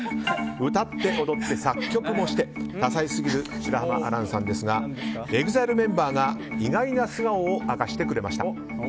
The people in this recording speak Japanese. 歌って踊って作曲もして多才すぎる白濱亜嵐さんですがＥＸＩＬＥメンバーが意外な素顔を明かしてくれました。